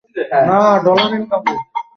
টাকা থাকলে তোকে বিলেতে রেখে পড়াতাম।